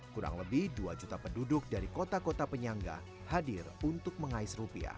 kurang lebih dua juta penduduk dari kota kota penyangga hadir untuk mengais rupiah